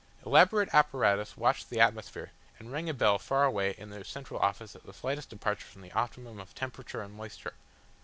Elaborate apparatus watched the atmosphere and rang a bell far away in the central office at the slightest departure from the optimum of temperature and moisture.